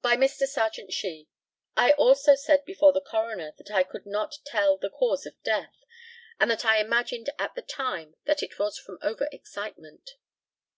By Mr. Serjeant SHEE: I also said before the coroner that I could not tell the cause of death, and that I imagined at the time that it was from over excitement.